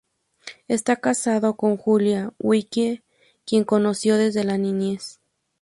Está casado con Julia Wilkie, quien conoció desde la niñez.